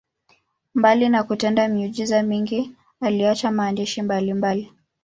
Mbali na kutenda miujiza mingi, aliacha maandishi mbalimbali.